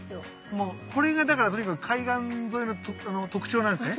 これがだからとにかく海岸沿いの特徴なんですね。